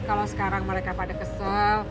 kalau sekarang mereka pada kesel